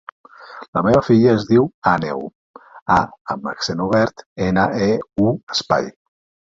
La meva filla es diu Àneu : a amb accent obert, ena, e, u, espai.